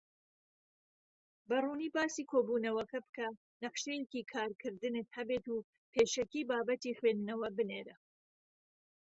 بەڕوونی باسی کۆبوونەوەکە بکە، نەخشەیەکی کارکردنت هەبێت، و پێشەکی بابەتی خویندنەوە بنێرە.